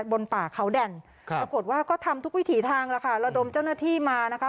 บนป่าเค้าแดนปรากฎว่าก็ทำทุกวิถีทางเราดมเจ้าหน้าที่มานะคะ